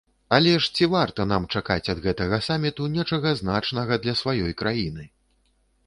Але ж ці варта нам чакаць ад гэтага саміту нечага значнага для сваёй краіны?